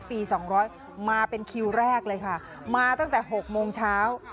สองร้อยมาเป็นคิวแรกเลยค่ะมาตั้งแต่๖โมงเช้า